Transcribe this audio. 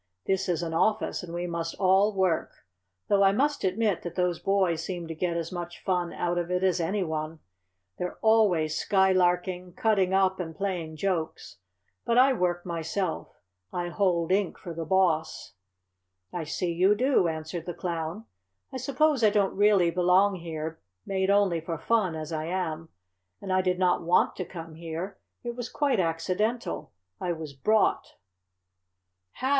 "This is an office, and we must all work, though I must admit that those boys seem to get as much fun out of it as any one. They're always skylarking, cutting up, and playing jokes. But I work myself. I hold ink for the Boss." "I see you do," answered the Clown. "I suppose I don't really belong here, made only for fun, as I am. And I did not want to come here. It was quite accidental. I was brought." "How!"